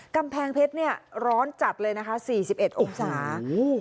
กำแพงเพชรเนี่ยร้อนจัดเลยนะคะสี่สิบเอ็ดองศา